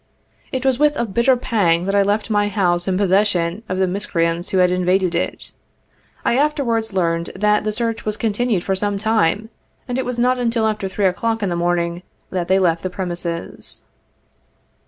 It was with a bitter pang that I left my house in possession of the mis creants who had invaded it. I afterwards learned that the search was continued for some time, and it was not until after 3 o'clock in the morning that they left the premises.